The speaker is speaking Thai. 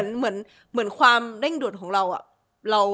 เหมือนความเร่งด่วนของเรา